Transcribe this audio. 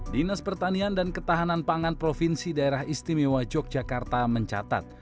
dinas pertanian dan ketahanan pangan provinsi daerah istimewa yogyakarta mencatat